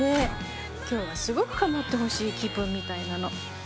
今日はすごく構ってほしい気分みたいなの。